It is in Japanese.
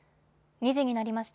２時になりました。